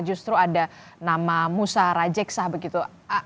justru ada nama musa rajeksa begitu